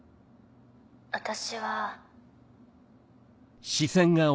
私は。